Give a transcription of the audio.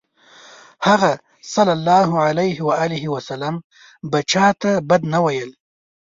هغه ﷺ به چاته بد نه ویلی.